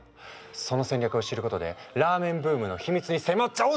その戦略を知ることでラーメンブームの秘密に迫っちゃおう